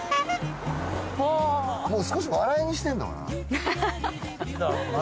もう少し笑いにしてるのかな。だろうね。